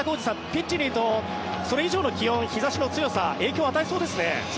ピッチにいると、それ以上の気温日差しの強さ影響を与えそうですね。